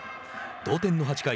同点の８回。